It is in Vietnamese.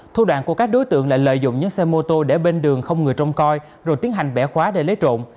thu đoạn của các đối tượng lại lợi dụng những xe mô tô để bên đường không người trông coi rồi tiến hành bẻ khóa để lấy trộm